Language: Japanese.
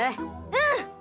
うん！